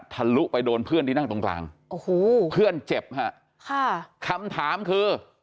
ลุไปโดนเพื่อนที่นั่งตรงกลางโอ้โหเพื่อนเจ็บฮะค่ะคำถามคือ